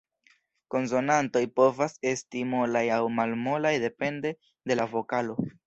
Konsonantoj povas esti molaj aŭ malmolaj depende de la vokalo.